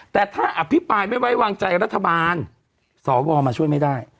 แต่ถ้าอภิปรายไม่ไว้วางใจรัฐบาลสวมาช่วยไม่ได้